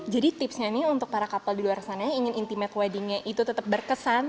jadi tipsnya nih untuk para kapal di luar sana yang ingin intimate weddingnya itu tetap berkesan